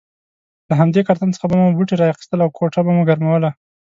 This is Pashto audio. له همدې کارتن څخه به مو بوټي را اخیستل او کوټه به مو ګرموله.